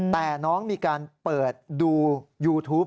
แต่น้องมีการเปิดดูยูทูป